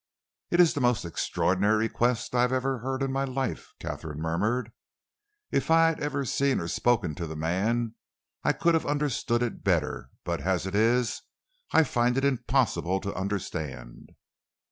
"It is the most extraordinary request I ever heard in my life," Katharine murmured. "If I had ever seen or spoken to the man, I could have understood it better, but as it is, I find it impossible to understand."